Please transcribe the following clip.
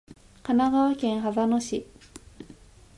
神奈川県秦野市